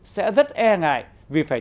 sẽ rất e ngại vì phải